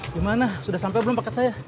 gimana sudah sampai belum paket saya